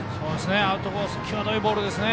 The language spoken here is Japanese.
アウトコースのきわどいボールですね。